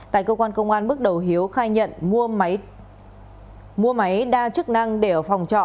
tại cơ quan công an bước đầu hiếu khai nhận mua máy đa chức năng để ở phòng trọ